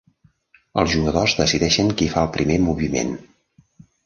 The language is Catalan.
Els jugadors decideixen qui fa el primer moviment.